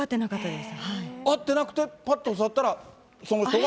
会ってなくて、ぱっと座ったら、その人が。